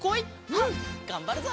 うんがんばるぞ！